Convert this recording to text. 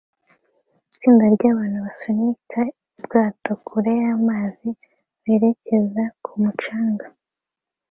Itsinda ryabantu basunika ubwato kure y'amazi berekeza ku mucanga